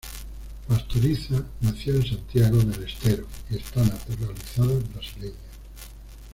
Pastoriza nació en Santiago del Estero, y está naturalizada brasileña.